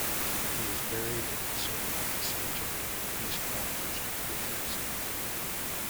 He is buried in Saint Michaels Cemetery in East Elmhurst, Queens.